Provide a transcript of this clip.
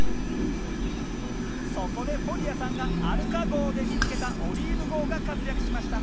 そこでフォリアさんがアルカ号で見つけた「オリーブ号」が活躍しました。